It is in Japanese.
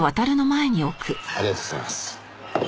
ありがとうございます。